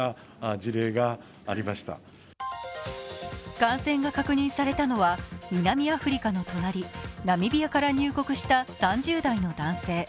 感染が確認されたのは南アフリカの隣ナミビアから入国した３０代の男性。